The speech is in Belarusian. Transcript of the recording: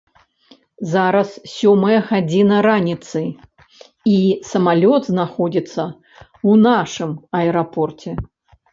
Зараз сёмая гадзіна раніцы, і самалёт знаходзіцца ў нашым аэрапорце.